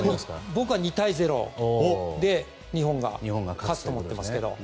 僕は２対０で日本が勝つと思ってますけど。